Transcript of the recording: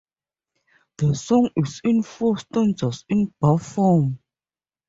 The song is in four stanzas in bar form.